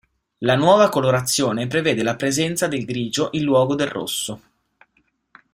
La nuova colorazione prevede la presenza del grigio in luogo del rosso.